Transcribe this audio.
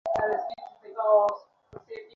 সবকিছু লাঠির মাইরেই বুঝিয়ে দেয়।